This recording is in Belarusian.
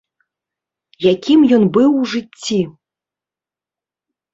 Якім ён быў у жыцці?